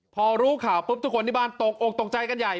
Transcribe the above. พอรู้ข่าวปุ๊บทุกคนที่บ้านตกอกตกใจกันใหญ่